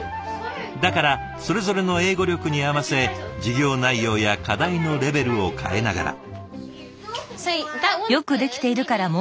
だからそれぞれの英語力に合わせ授業内容や課題のレベルを変えながら。